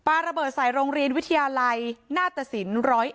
ระเบิดใส่โรงเรียนวิทยาลัยหน้าตสิน๑๐๑